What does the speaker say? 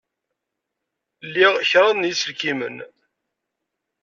Liɣ kraḍ n yiselkimen.